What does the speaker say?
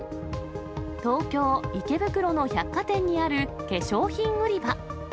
東京・池袋の百貨店にある化粧品売り場。